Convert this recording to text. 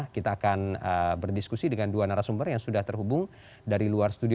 kita akan berdiskusi dengan dua narasumber yang sudah terhubung dari luar studio